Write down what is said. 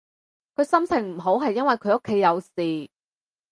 佢心情唔好係因為佢屋企有事